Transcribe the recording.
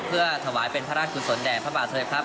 เพื่อถวายเป็นพระราชกุศลแด่พระบาทโทยพรัพย์